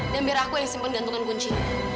dan biar aku yang simpen gantungan kunci